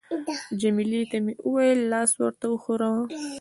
جميله ته مې وویل: لاس ورته وښوروه.